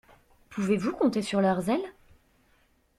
Pouvez-vous compter sur leur zèle?